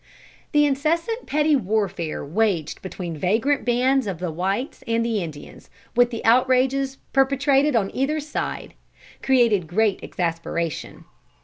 The incessant petty warfare waged between vagrant bands of the whites and the Indians, with the outrages perpetrated on either side, created great exasperation.